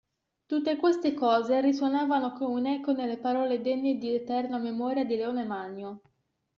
Tutte queste cose risuonavano come un'eco nelle parole degne di eterna memoria di Leone Magno.